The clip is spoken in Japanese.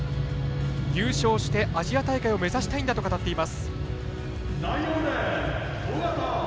優勝してアジア大会を目指したいんだと語っています。